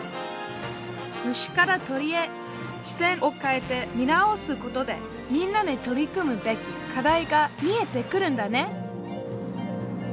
虫から鳥へ視点を変えて見直すことでみんなで取り組むべき課題が見えてくるんだね！